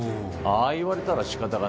ああ言われたら仕方がない。